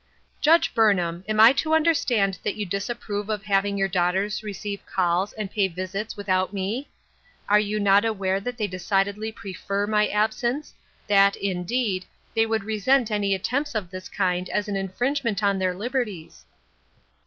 " Judge Burnham, am I to understand that you disapprove of having your daughters receive calls and pay visits without me ? Are you not aware that they decidedly prefer my absence ; that, in deed, they would resent any attempts of this kind as an infringement on their liberties?"